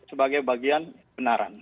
sebagai bagian benaran